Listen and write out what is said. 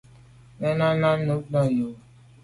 Nenà num nà o yo.